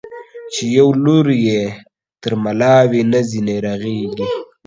چي يو لور يې تر ملا وي، نه ځيني رغېږي.